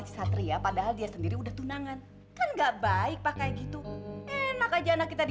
kesatria padahal dia sendiri udah tunangan kan enggak baik pakai gitu enak aja anak kita di